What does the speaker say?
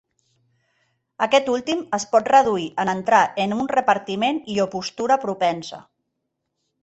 Aquest últim es pot reduir en entrar en un repartiment i o postura propensa.